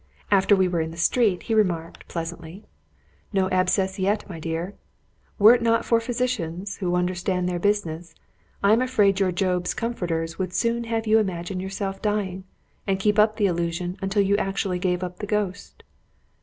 After we were in the street, he remarked, pleasantly "No abscess yet, my dear. Were it not for physicians, who understand their business, I am afraid your Job's comforters would soon have you imagine yourself dying, and keep up the illusion until you actually gave up the ghost."